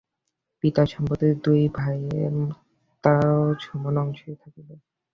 পিতার সম্পত্তিতে দুই ভায়ের তো সমান অংশ থাকিবেই।